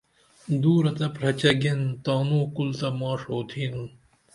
دورہ تہ پھرچہ گین تانو کُل تہ ماڜ اوتھینُن